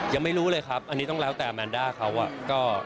ยังไม่รู้เลยครับอันนี้ต้องแล้วใจอามานด้าคันจริงก็